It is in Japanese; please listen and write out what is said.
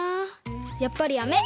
やっぱりやめ！